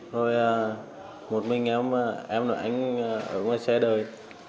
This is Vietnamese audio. rồi một mình em em và anh ở ngoài xe đời